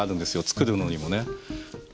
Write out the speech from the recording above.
作るのにもね。